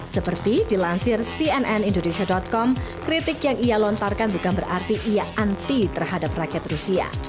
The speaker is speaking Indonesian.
seperti dilansir cnn indonesia com kritik yang ia lontarkan bukan berarti ia anti terhadap rakyat rusia